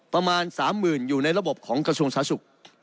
ประมาณ๓๐๐๐อยู่ในระบบของกระทรวงสาธารณสุข